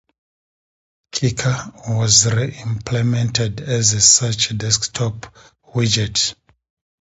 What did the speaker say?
"Kicker" was re-implemented as such a desktop widget.